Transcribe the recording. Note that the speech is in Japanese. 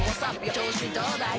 「調子どうだい？」